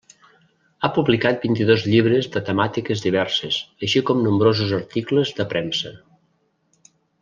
Ha publicat vint-i-dos llibres de temàtiques diverses així com nombrosos articles de premsa.